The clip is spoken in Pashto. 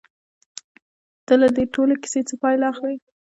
ته له دې ټولې کيسې څه پايله اخلې؟